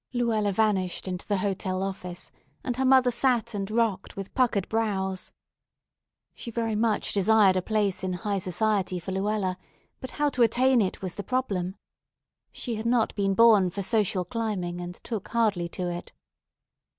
Luella vanished into the hotel office, and her mother sat and rocked with puckered brows. She very much desired a place in high society for Luella, but how to attain it was the problem. She had not been born for social climbing, and took hardly to it.